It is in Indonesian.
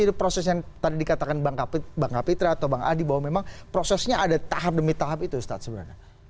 jadi proses yang tadi dikatakan bang kapitra atau bang adi bahwa memang prosesnya ada tahap demi tahap itu ustadz sebenarnya